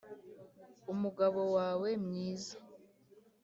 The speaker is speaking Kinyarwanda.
umugabo wawe mwiza